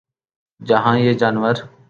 جہاں یہ جانور